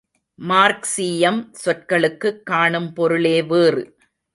மார்க்சீயம், சொற்களுக்குக் காணும்பொருளே வேறு.